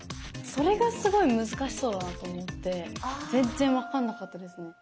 それがすごい難しそうだなと思って全然分かんなかったですね。